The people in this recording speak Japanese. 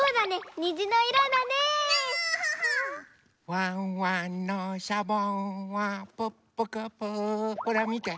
「ワンワンのシャボンはプップクプー」ほらみて。